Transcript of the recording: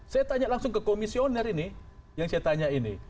saya tanya langsung ke komisioner ini yang saya tanya ini